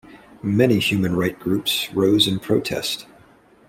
Many human right groups rose in protest.